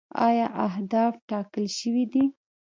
آیا اهداف ټاکل شوي دي؟